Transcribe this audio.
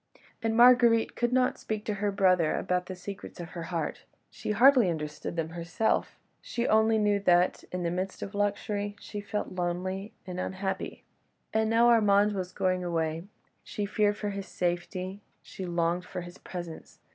And Marguerite could not speak to her brother about the secrets of her heart; she hardly understood them herself, she only knew that, in the midst of luxury, she felt lonely and unhappy. And now Armand was going away; she feared for his safety, she longed for his presence.